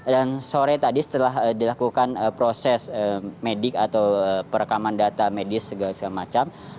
dan sore tadi setelah dilakukan proses medik atau perekaman data medis segala macam